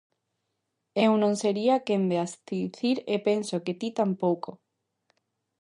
Eu non sería quen de as dicir e penso que ti tampouco.